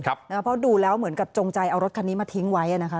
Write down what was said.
เพราะดูแล้วเหมือนกับจงใจเอารถคันนี้มาทิ้งไว้นะคะ